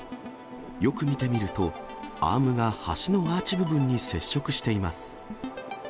よく見てみると、アームが橋のアーチ部分に接触しています。